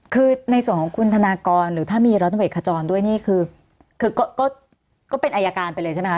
คือในส่วนของคุณธนากรหรือถ้ามีร้อยตำรวจเอกขจรด้วยนี่คือก็เป็นอายการไปเลยใช่ไหมค